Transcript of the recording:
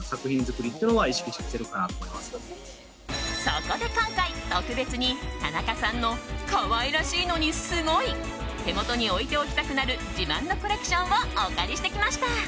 そこで今回、特別に田中さんの可愛らしいのにすごい手元に置いておきたくなる自慢のコレクションをお借りしてきました。